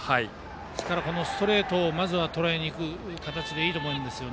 ですから、このストレートをまずはとらえにいく形でいいと思います。